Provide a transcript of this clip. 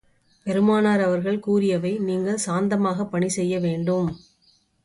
பெருமானார் அவர்கள் கூறியவை நீங்கள் சாந்தமாகப் பணி செய்ய வேண்டும்.